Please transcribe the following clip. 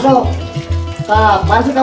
sekat sekat sekat